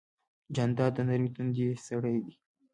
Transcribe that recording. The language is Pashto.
جانداد د نرمې تندې سړی دی.